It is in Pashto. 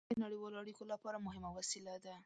طیاره د نړیوالو اړیکو لپاره مهمه وسیله ده.